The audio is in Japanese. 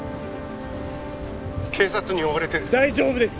警察に追われてる大丈夫です